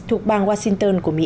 thuộc bang washington của mỹ